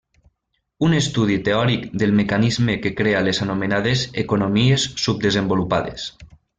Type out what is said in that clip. Un estudi teòric del mecanisme que crea les anomenades economies subdesenvolupades.